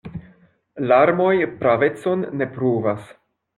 Larmoj pravecon ne pruvas.